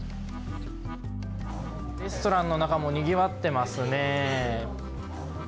レストランの中もにぎわってますね。